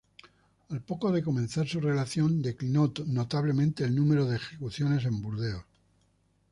Al poco de comenzar su relación, declinó notablemente el número de ejecuciones en Burdeos.